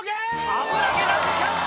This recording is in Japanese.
危なげなくキャッチ！